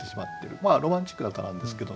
ロマンチックな歌なんですけどね。